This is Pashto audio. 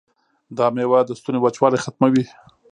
دا میوه د ستوني وچوالی ختموي.